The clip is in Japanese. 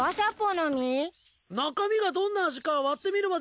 中身がどんな味か割ってみるまで分かんねえんだ。